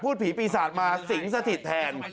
พูดผีปีศาสตร์มาสิงสถิตแทน